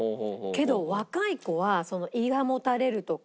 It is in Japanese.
けど若い子は胃がもたれるとか。